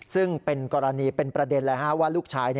ซึ่งเป็นกรณีเป็นประเด็นเลยว่าลูกชาย